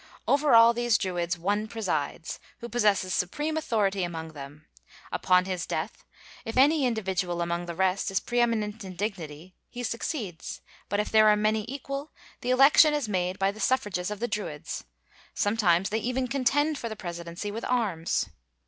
Over all these Druids one presides, who possesses supreme authority among them. Upon his death, if any individual among the rest is pre eminent in dignity, he succeeds; but if there are many equal, the election is made by the suffrages of the Druids; sometimes they even contend for the presidency with arms.